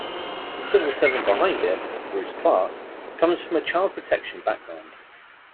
The civil servant behind it, Bruce Clark, comes from a child protection background.